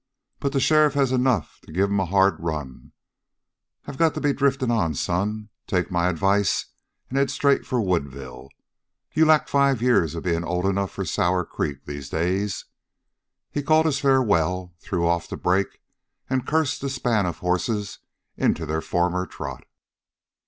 But the sheriff has enough to give him a hard run. I got to be drifting on, son. Take my advice and head straight for Woodville. You lack five years of being old enough for Sour Creek these days!" He called his farewell, threw off the brake and cursed the span of horses into their former trot.